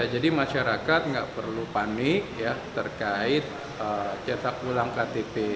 jadi masyarakat nggak perlu panik ya terkait cetak ulang ktp